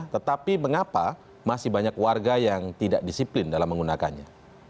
tetapi mengapa masih banyak warga yang tidak disiplin dalam menggunakannya